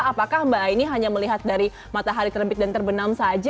apakah mbak aini hanya melihat dari matahari terbit dan terbenam saja